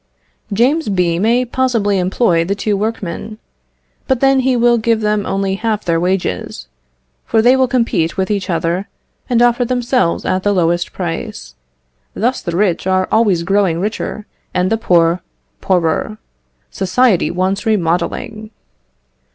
James B. may possibly employ the two workmen, but then he will give them only half their wages, for they will compete with each other, and offer themselves at the lowest price. Thus the rich are always growing richer, and the poor, poorer. Society wants remodelling."